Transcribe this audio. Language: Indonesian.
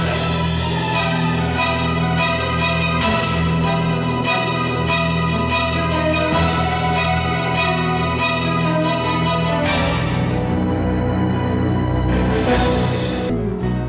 itu makam anak kamu